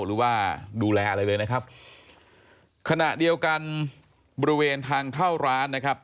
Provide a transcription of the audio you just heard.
หรือว่าดูแลอะไรเลยนะครับขณะเดียวกันบริเวณทางเข้าร้านนะครับ